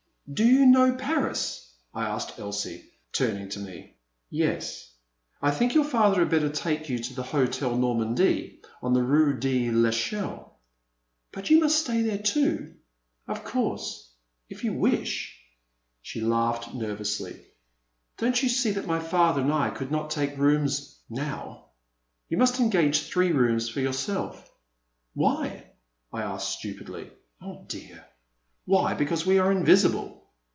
Do you know Paris?" asked Elsie, turning to me. a (< (i The Man at the Next Table. 391 Yes. I think your father had better take you to the Hotel Normandie on the rue de rEcheUe— *' But you must stay there too !" Of course — ^if you wish —'' She laughed nervously. Don't you see that my father and I could not take rooms — now? You must engage three rooms for yourself. ''*' Why ?" I asked stupidly. *' Oh dear — why because we are invisible.